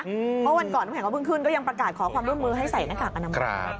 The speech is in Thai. เพราะวันก่อนน้ำแข็งเพิ่งขึ้นก็ยังประกาศขอความร่วมมือให้ใส่หน้ากากอนามัย